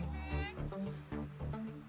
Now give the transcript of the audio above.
be be kedinginan be